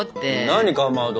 何かまど！